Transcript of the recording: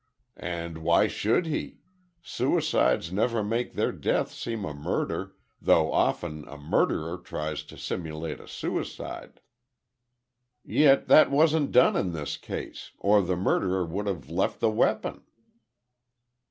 "And why should he? Suicides never make their death seem a murder, though often a murderer tries to simulate a suicide." "Yet that wasn't done in this case, or the murderer would have left the weapon."